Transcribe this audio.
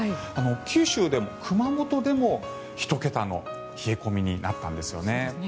九州でも熊本でも１桁の冷え込みになったんですよね。